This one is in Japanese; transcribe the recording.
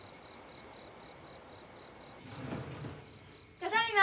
ただいま。